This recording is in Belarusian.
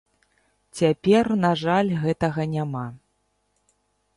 Цяпер, на жаль, гэтага няма.